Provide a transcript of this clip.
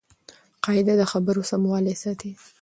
قاعده د خبرو سموالی ساتي.